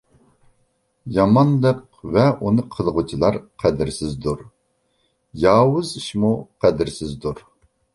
يامانلىق ۋە ئۇنى قىلغۇچىلار قەدىرسىزدۇر. ياۋۇز ئىشمۇ قەدىرسىزدۇر.